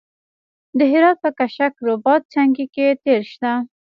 د هرات په کشک رباط سنګي کې تیل شته.